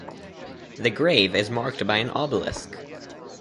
The grave is marked by an obelisk.